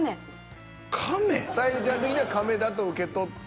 沙莉ちゃん的にはカメだと受け取って。